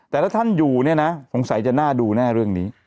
แต่ถ้าท่านอยู่เนี่ยนะสงสัยจะน่าดูแน่เรื่องนี้